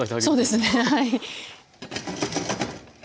そうですねはい。